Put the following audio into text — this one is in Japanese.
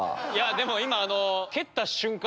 でも今。